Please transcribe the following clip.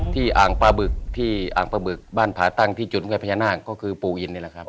อ่างปลาบึกที่อ่างปลาบึกบ้านผาตั้งที่จุดด้วยพญานาคก็คือปู่อินนี่แหละครับ